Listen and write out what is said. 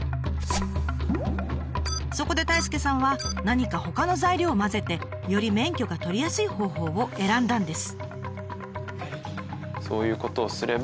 そこで太亮さんは何かほかの材料を混ぜてより免許が取りやすい方法を選んだんです。